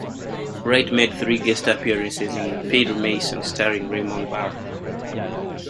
Wright made three guest appearances in "Perry Mason", starring Raymond Burr.